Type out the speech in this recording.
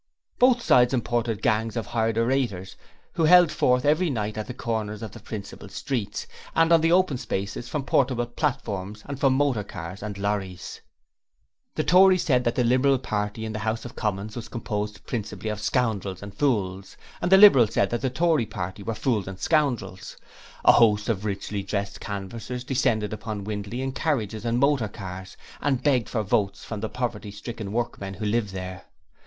Both sides imported gangs of hired orators who held forth every night at the corners of the principal streets, and on the open spaces from portable platforms, and from motor cars and lorries. The Tories said that the Liberal Party in the House of Commons was composed principally of scoundrels and fools, the Liberals said that the Tory Party were fools and scoundrels. A host of richly dressed canvassers descended upon Windley in carriages and motor cars, and begged for votes from the poverty stricken working men who lived there.